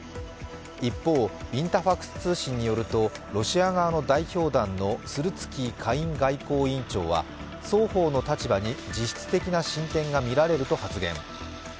一方、インタファクス通信によると、ロシア側の代表団のスルツキー下院外交委員長は双方の立場に実質的な進展が見られると発言。